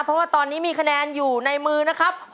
เพราะว่าตอนนี้มีคะแนนอยู่ในมือนะครับ